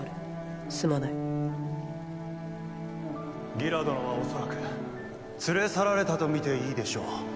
ギラ殿は恐らく連れ去られたと見ていいでしょう。